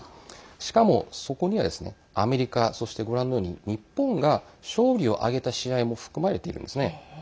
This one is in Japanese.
しかも、そこにはアメリカそして、ご覧のように日本が勝利を挙げた試合も含まれているんですね。